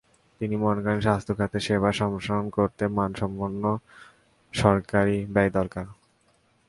তিনি মনে করেন, স্বাস্থ্য খাতে সেবা সম্প্রসারণ করতে মানসম্পন্ন সরকারি ব্যয় দরকার।